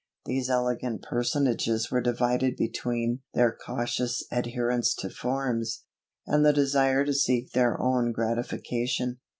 These elegant personages were divided between their cautious adherence to forms, and the desire to seek their own gratification.